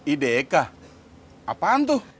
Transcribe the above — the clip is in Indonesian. ide eka apaan tuh